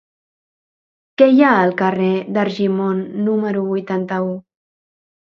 Què hi ha al carrer d'Argimon número vuitanta-u?